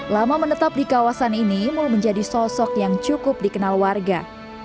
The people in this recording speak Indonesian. lama menetap di kawasan ini mul menjadi sosok yang cukup dikenal warga